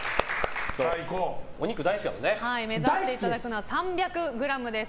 目指していただくのは３００ｇです。